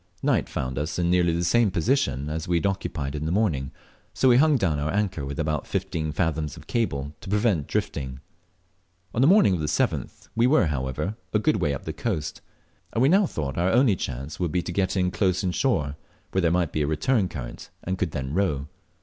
Night found us in nearly the same position as we had occupied in the morning, so we hung down our anchor with about fifteen fathoms of cable to prevent drifting. On the morning of the 7th we were however, a good way up the coast, and we now thought our only chance would be to got close in shore, where there might be a return current, and we could then row.